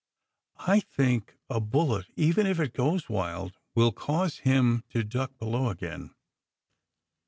I think a bullet, even if it goes wild, will cause him to duck below again.